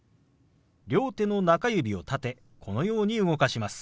両手の中指を立てこのように動かします。